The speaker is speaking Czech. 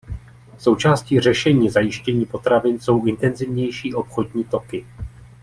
Součástí řešení zajištění potravin jsou intenzivnější obchodní toky.